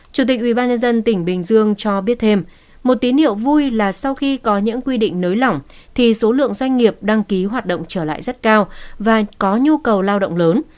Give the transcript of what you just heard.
chủ tịch ubnd tỉnh bình dương cho biết thêm một tín hiệu vui là sau khi có những quy định nới lỏng thì số lượng doanh nghiệp đăng ký hoạt động trở lại rất cao và có nhu cầu lao động lớn